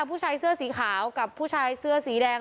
ผู้ชายเสื้อสีขาวกับผู้ชายเสื้อสีแดง